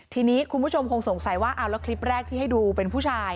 ทีนี้คุณผู้ชมคงสงสัยว่าเอาแล้วคลิปแรกที่ให้ดูเป็นผู้ชาย